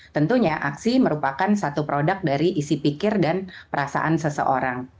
tentunya aksi merupakan satu produk dari isi pikir dan perasaan seseorang